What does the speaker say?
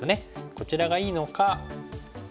こちらがいいのか。